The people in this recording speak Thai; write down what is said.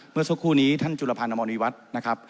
เมื่อสักครู่นี้ท่านจุลพันธ์อมรณีวัฒน์นะครับ